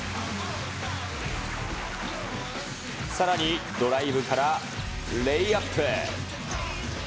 さらにドライブからレイアップ。